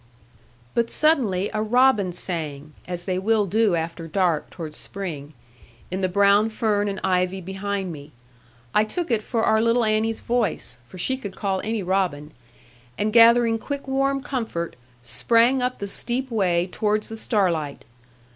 But suddenly a robin sang (as they will do after dark, towards spring) in the brown fern and ivy behind me. I took it for our little Annie's voice (for she could call any robin), and gathering quick warm comfort, sprang up the steep way towards the starlight.